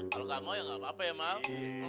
kalau nggak mau ya nggak apa apa ya mau